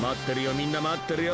みんな待ってるよ］